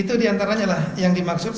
orang orang yang di baris krim